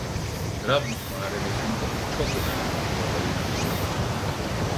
Trablus Muharebesi'nde çok önemli bir rol oynamıştır.